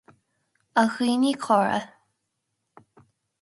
A dhaoine córa,